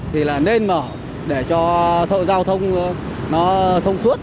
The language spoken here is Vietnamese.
thì là nên mở để cho thợ giao thông nó thông suốt